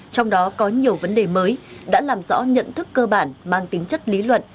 trong đó có nhiều vấn đề mới đã làm rõ nhận thức cơ bản mang tính chất lý luận